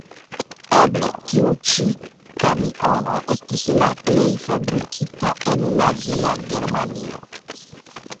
Eble, tiu ĉi kamiono estis la plej fabrikita en Nazia Germanio.